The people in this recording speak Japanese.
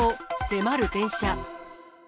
迫る電車。